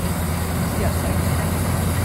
私人醒